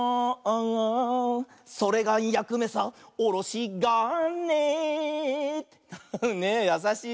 「それがやくめさおろしがね」ねえやさしい。